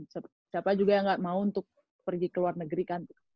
siapa juga yang nggak mau untuk pergi ke luar negeri kan